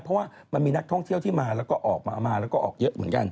เพราะว่ามันมีนักท่องเที่ยวที่มาแล้วก็ออกมามาแล้วก็ออกเยอะเหมือนกัน